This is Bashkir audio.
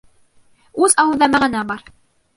Үс алыуҙа мәғәнә бар.